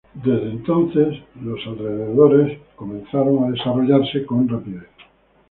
Desde entonces los alrededores comenzaron a ser desarrollados con rapidez.